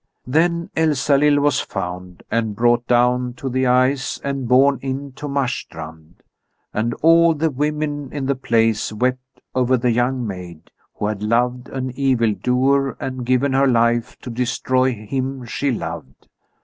Then Elsalill was found and brought down to the ice and borne in to Marstrand; and all the women in the place wept over the young maid, who had loved an evildoer and given her life to destroy him she loved.